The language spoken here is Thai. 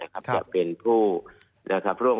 จะเป็นผู้ร่วมการหารือ